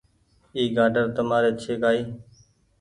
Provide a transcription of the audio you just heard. اي گآڊر تمآري ڇي ڪآئي